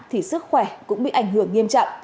thì sức khỏe cũng bị ảnh hưởng nghiêm trọng